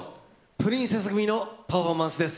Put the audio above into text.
プリンセス組のパフォーマンスです。